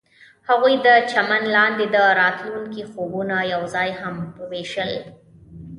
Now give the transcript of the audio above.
هغوی د چمن لاندې د راتلونکي خوبونه یوځای هم وویشل.